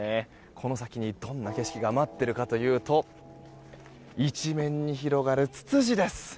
この先にどんな景色が待っているかというと一面に広がるツツジです。